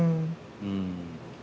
うん。